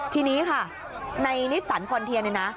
ทีนี้ค่ะในนิสสันฟอนเทียนเนี่ยนะ